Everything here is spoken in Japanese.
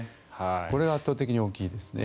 これが圧倒的に大きいですね。